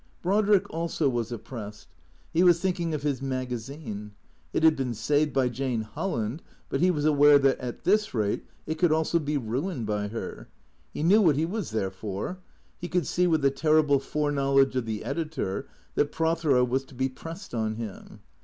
Brodrick also was oppressed. He was thinking of his maga zine. It had been saved by Jane Holland, but he was aware that at this rate it could also be ruined by her. He knew what he was there for. He could see, with the terrible foreknowledge of the editor, that Prothero was to be pressed on him.